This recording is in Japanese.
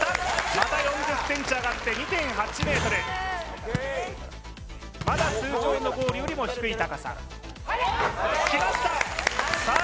また４０ｃｍ上がって２．８ｍまだ通常のゴールよりも低い高さきましたさあ